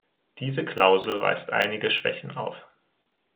Diese Klausel weist einige Schwächen auf.